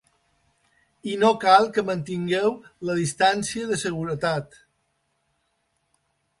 I no cal que mantingueu la distància de seguretat.